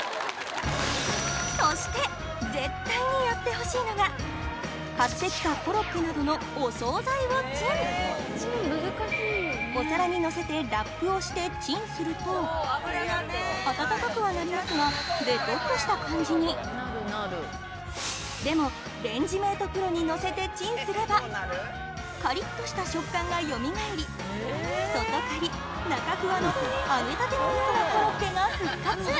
そして買ってきたコロッケなどのお総菜をチン！をしてチンすると温かくはなりますがべとっとした感じにでもレンジメートプロにのせてチンすればカリっとした食感がよみがえり外カリ中フワの揚げたてのようなコロッケが復活！